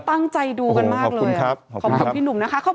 ตั้งใจดูกันมากเลยขอบคุณพี่หนุ่มนะคะโอ้โหขอบคุณครับ